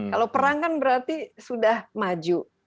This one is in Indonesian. kalau perang kan berarti sudah maju